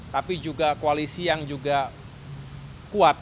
tapi juga koalisi yang juga kuat